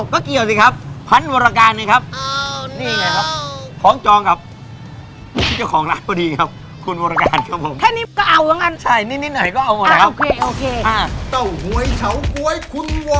ขอบคุณทุกคนมากครับขอบคุณค่ะขอบคุณพี่บานมากค่ะ